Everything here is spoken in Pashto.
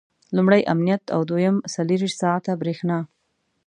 لومړی امنیت او دویم څلرویشت ساعته برېښنا.